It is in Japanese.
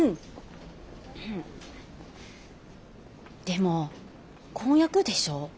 でも婚約でしょ